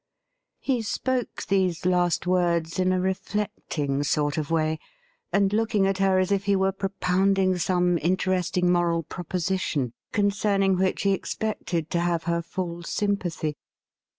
He spoke these last words in a reflecting sort of way, and looking at her as if he were propounding some interest ing moral proposition, concerning which he expected to have her full sympathy.